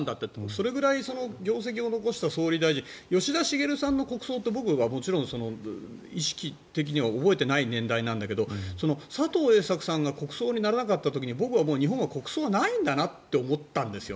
それぐらい業績を残した総理大臣吉田茂さんの国葬って僕はもちろん意識的には覚えていない年代なんだけど佐藤栄作さんが国葬にならなかった時に僕はもう日本は国葬はないんだと思ったんです